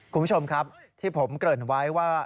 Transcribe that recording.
คุณผู้ชมครับที่ผมเกริ่นไว้ว่า